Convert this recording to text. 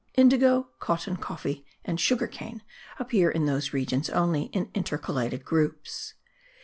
Indigo, cotton, coffee and sugar cane appear in those regions only in intercalated groups.